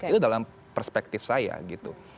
itu dalam perspektif saya gitu